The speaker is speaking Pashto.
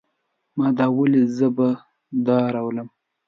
ما دا وليده. زه به دا راولم.